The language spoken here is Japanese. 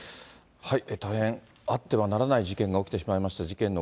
大変あってはならない事件が起きてしまいました。